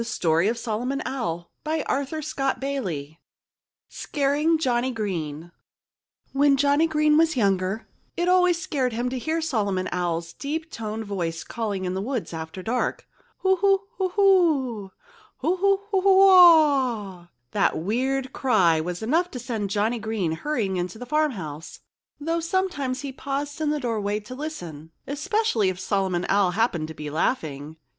Said Solomon The Tale of Solomon Owl I Scaring Johnny Green When Johnnie Green was younger, it always scared him to hear Solomon Owl's deep toned voice calling in the woods after dark. "Whoo whoo whoo, whoo whoo, to whoo ah!" That weird cry was enough to send Johnnie Green hurrying into the farmhouse, though sometimes he paused in the doorway to listen—especially if Solomon Owl happened to be laughing.